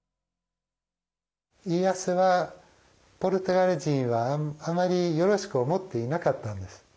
家康はポルトガル人はあまりよろしく思っていなかったんです。